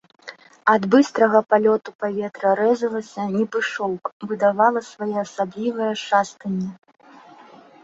Ад быстрага палёту паветра рэзалася, нібы шоўк, выдавала своеасаблівае шастанне.